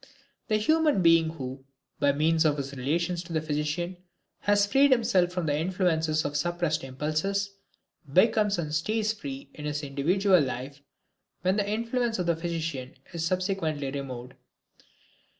The human being who, by means of his relations to the physician, has freed himself from the influences of suppressed impulses, becomes and stays free in his individual life, when the influence of the physician is subsequently removed.